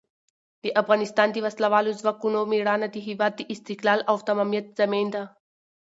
د افغانستان د وسلوالو ځواکونو مېړانه د هېواد د استقلال او تمامیت ضامن ده.